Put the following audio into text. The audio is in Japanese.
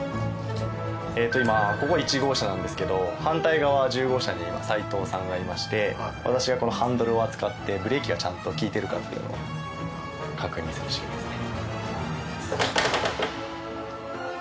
今ここ１号車なんですけど反対側１０号車に今齋藤さんがいまして私がこのハンドルを扱ってブレーキがちゃんと利いてるかっていうのを確認する仕事ですね。